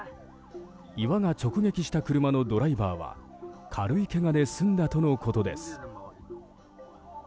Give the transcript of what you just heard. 岩が直撃した車のドライバーは軽いけがで済んだとのことです。